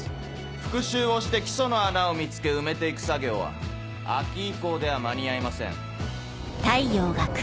復習をして基礎の穴を見つけ埋めて行く作業は秋以降では間に合いません。